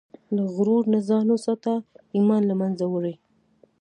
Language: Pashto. له غرور نه ځان وساته، ایمان له منځه وړي.